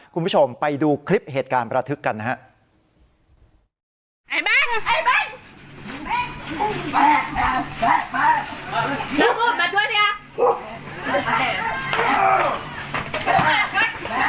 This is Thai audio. คุณผู้ชมไปดูคลิปเหตุการณ์ประทึกกันนะครับ